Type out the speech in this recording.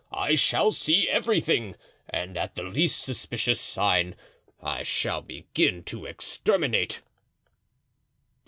I shall see everything, and at the least suspicious sign I shall begin to exterminate."